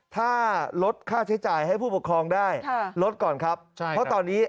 ถ้าลดค่าใช้จ่ายให้ผู้ปกครองได้ลดก่อนครับเพราะตอนนี้